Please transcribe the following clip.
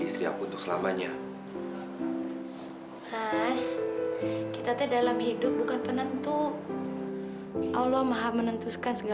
sampai jumpa di video selanjutnya